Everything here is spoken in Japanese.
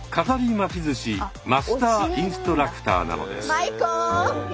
巻き寿司マスターインストラクターなのです。